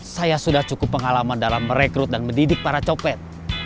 saya sudah cukup pengalaman dalam merekrut dan mendidik para copet